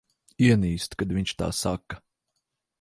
Ienīstu, kad viņš tā saka.